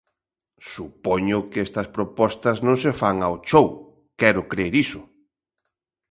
Supoño que estas propostas non se fan ao chou, quero crer iso.